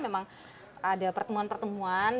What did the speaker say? memang ada pertemuan pertemuan